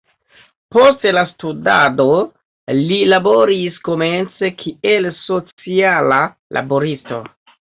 Post la studado, li laboris komence kiel sociala laboristo.